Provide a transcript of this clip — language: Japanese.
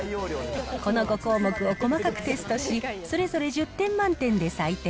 この５項目を細かくテストし、それぞれ１０点満点で採点。